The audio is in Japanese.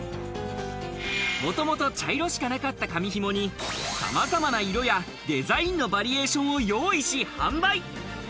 もともと茶色しかなかった紙紐にさまざまな色やデザインのバリエーションを用意し、販売。